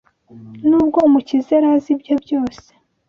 Nubwo Umukiza yari azi ibyo byose,